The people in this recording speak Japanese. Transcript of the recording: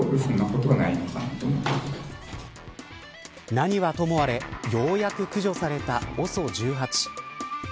何はともあれようやく駆除されたＯＳＯ１８。